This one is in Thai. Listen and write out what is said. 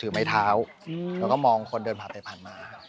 ชื่องนี้ชื่องนี้ชื่องนี้ชื่องนี้ชื่องนี้